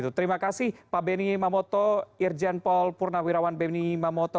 terima kasih pak benny mamoto irjen paul purna wirawan benny mamoto